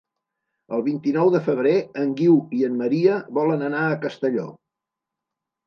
El vint-i-nou de febrer en Guiu i en Maria volen anar a Castelló.